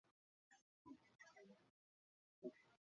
当前赛季的参赛俱乐部以粗体字显示。